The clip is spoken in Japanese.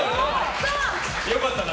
良かったな。